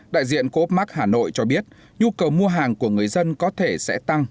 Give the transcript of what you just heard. đại diện cốp mắc hà nội cho biết nhu cầu mua hàng của người dân có thể sẽ tăng